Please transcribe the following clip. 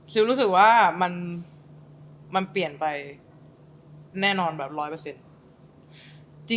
ซิลรู้สึกว่ามันมันเปลี่ยนไปแน่นอนแบบร้อยเปอร์สิทธิ์